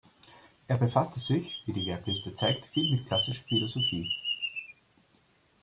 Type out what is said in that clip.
Er befasste sich, wie die Werkliste zeigt, viel mit klassischer Philosophie.